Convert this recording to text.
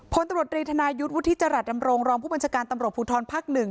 พลตำรวจรีธนายุทธ์วุฒิจรัสดำรงรองผู้บัญชาการตำรวจภูทรภาค๑